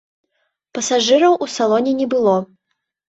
Пасажыраў у салоне не было.